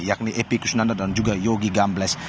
yakni epi kusunanda dan juga yogi gambles